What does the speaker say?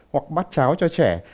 hoặc bát cháo cho trẻ